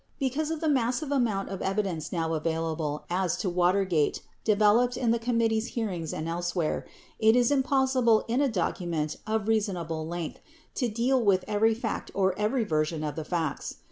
Be cause of the massive amount of evidence now available as to Water gate developed in the committee's hearings and elsewhere, it is im possible in a document of reasonable length to deal with every fact or every version of the facts.